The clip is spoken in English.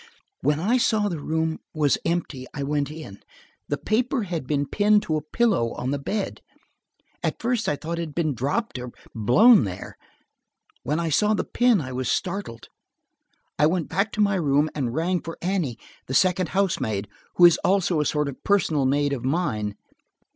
"When I saw the room was empty I went in. The paper had been pinned to a pillow on the bed. At first I thought it had been dropped or had blown there. When I saw the pin I was startled. I went back to my room and rang for Annie, the second housemaid, who is also a sort of personal maid of mine.